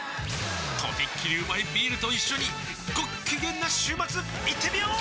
とびっきりうまいビールと一緒にごっきげんな週末いってみよー！